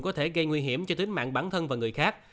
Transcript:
có thể gây nguy hiểm cho tính mạng bản thân và người khác